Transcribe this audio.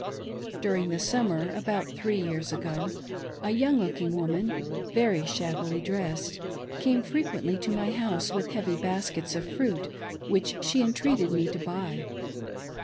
During the summer, about three years ago, a young looking woman, very shabbily dressed, came frequently to my house with heavy baskets of fruit which she entreated me to buy.